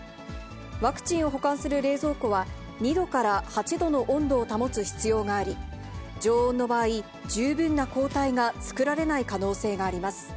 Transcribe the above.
ワクチンを保管する冷蔵庫は、２度から８度の温度を保つ必要があり、常温の場合、十分な抗体が作られない可能性があります。